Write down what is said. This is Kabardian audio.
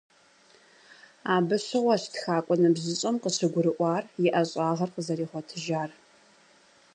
Абы щыгъуэщ тхакӀуэ ныбжьыщӀэм къыщыгурыӀуар и ӀэщӀагъэр къызэригъуэтыжар.